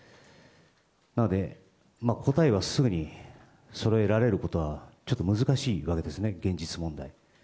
なので、答えはすぐにそろえられることは、ちょっと難しいわけですね、現実問題。